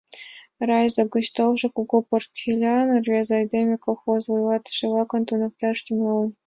Райзо гыч толшо, кугу портфелян рвезе айдеме колхоз вуйлатыше-влакым «туныкташ» тӱҥалын.